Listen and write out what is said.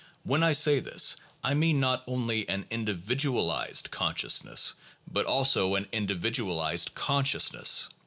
When I say this, I mean not only an indi vidualized consciousness, but also an individualized consciousness.